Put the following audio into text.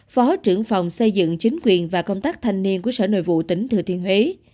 phó trưởng phòng xây dựng chính quyền và công tác thanh niên của sở nội vụ tỉnh thừa thiên huế